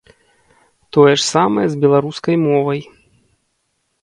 Тое ж самае з беларускай мовай.